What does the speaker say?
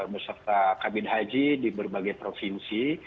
beserta kabin haji di berbagai provinsi